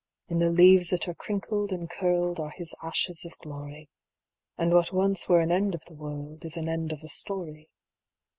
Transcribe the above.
In the leaves that are crinkled and curled Are his ashes of glory, And what once were an end of the world Is an end of a story.